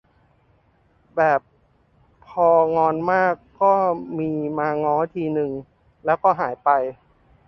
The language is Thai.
แบบพองอนมากก็มาง้อทีนึง แล้วก็หายไป